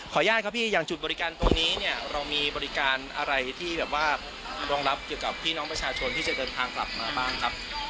ญาติครับพี่อย่างจุดบริการตรงนี้เนี่ยเรามีบริการอะไรที่แบบว่ารองรับเกี่ยวกับพี่น้องประชาชนที่จะเดินทางกลับมาบ้างครับ